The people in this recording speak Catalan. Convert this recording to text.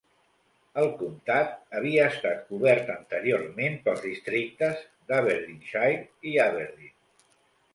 El comtat havia estat cobert anteriorment pels districtes d'Aberdeenshire i Aberdeen.